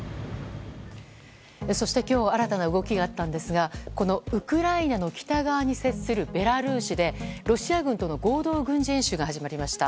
そして、今日新たな動きがあったんですがこのウクライナの北側に接するベラルーシでロシア軍との合同軍事演習が始まりました。